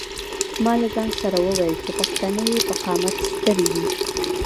ما له ځان سره وویل چې پښتنې په قامت سترې دي.